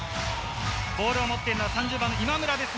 ボールを持っているのは３０番・今村です。